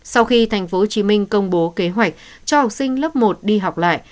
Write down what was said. sau khi tp hcm công bố kế hoạch cho học sinh lớp một đi học lại